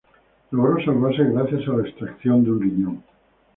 Logró salvarse gracias a la extracción de un riñón.